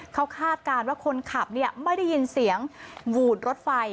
เขาคาดการณ์ว่าคนขับไม่ได้ยินเสียงหวูดรถไฟ